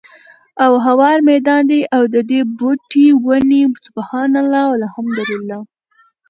او هوار ميدان دی، او ددي بوټي وني سُبْحَانَ اللهِ، وَالْحَمْدُ للهِ